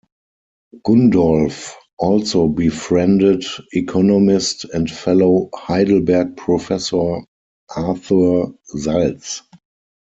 Gundolf also befriended economist and fellow Heidelberg professor Arthur Salz.